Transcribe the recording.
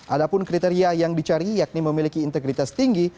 ada pun kriteria yang dicari yakni memiliki integritas tinggi